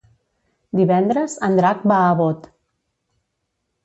Divendres en Drac va a Bot.